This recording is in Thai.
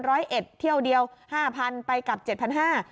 ร้อยเอ็ดเที่ยวเดียว๕๐๐๐บาทไปกลับ๗๕๐๐บาท